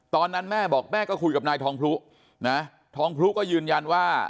ตอนนั้นแม่บอกแม่ก็คุยกับนายทองพลุนะทองพลุก็ยืนยันว่า